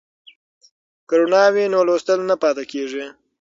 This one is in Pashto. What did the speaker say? که رڼا وي نو لوستل نه پاتې کیږي.